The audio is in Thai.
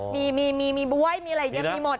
มีมีบ่วยมีแบบนี้มีหมด